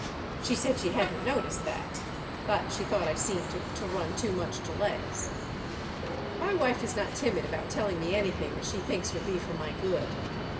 She said she hadn't noticed that, but she thought I seemed to run too much to legs. My wife is not timid about telling me anything that she thinks will be for my good.